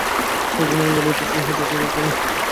সেই জন্যই আমি বলিতেছি, ইহা যজ্ঞই নয়।